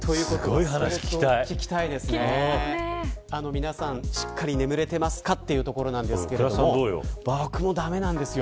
皆さん、しっかり眠れてますかというところなんですが僕も駄目なんですよ。